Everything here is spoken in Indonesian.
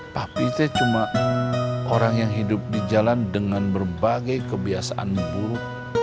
papi itu cuma orang yang hidup di jalan dengan berbagai kebiasaan buruk